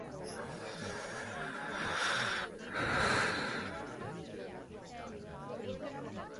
Trophies that were shared between two clubs are counted as honours for both teams.